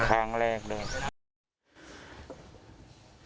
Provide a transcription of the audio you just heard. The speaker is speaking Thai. ครั้งแรกด้วย